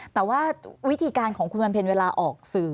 แต่ว่าวิธีการของคุณวันเพ็ญเวลาออกสื่อ